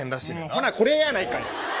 ほなこれやないかい。